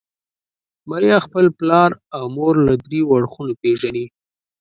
بريا خپل پلار او مور له دريو اړخونو پېژني.